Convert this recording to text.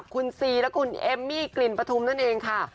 คุณซีและคุณเอมมี่กลิ่นปฐุมนั่นเองค่ะ